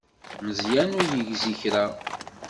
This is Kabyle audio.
Meẓyan ur yegzi kra.